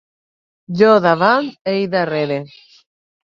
Jo davant, ell darrere.